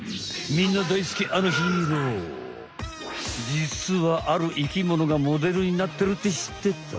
みんな大好き実はある生きものがモデルになってるって知ってた？